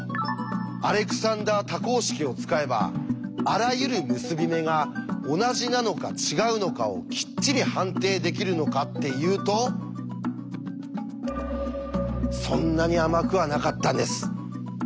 アレクサンダー多項式を使えばあらゆる結び目が同じなのか違うのかをきっちり判定できるのかっていうとそんなに甘くはなかったんです。